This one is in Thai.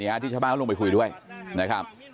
อาทิชะมากมาก็ลงไปคุยด้วยนะครับ